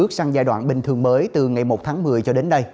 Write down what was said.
bước sang giai đoạn bình thường mới từ ngày một tháng một mươi cho đến đây